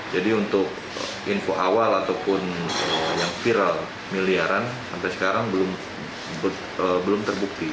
jadi untuk info awal ataupun yang viral miliaran sampai sekarang belum terbukti